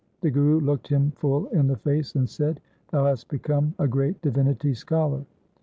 The Guru looked him full in the face and said, ' Thou hast become a great divinity scholar.